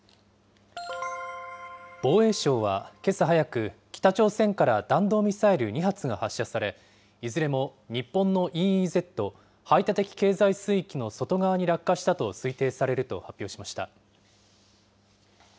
防衛省はけさ早く、北朝鮮から弾道ミサイル２発が発射され、いずれも日本のＥＥＺ・排他的経済水域の外側に落下したと推定されると発表しました。